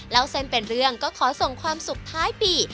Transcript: เล่าเส้นเป็นเรื่องก็ขอส่งความสุขท้ายปี